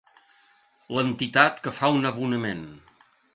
L'entitat que fa un abonament.